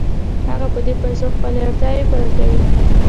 هغه په دې پیسو خپلې اړتیاوې پوره کوي